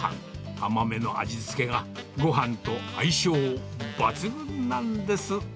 甘めの味付けがごはんと相性抜群なんです。